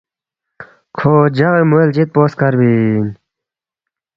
کھو جغی موے لجِد پو سکربی اِن